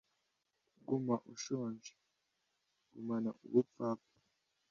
Guma ushonje. Gumana ubupfapfa.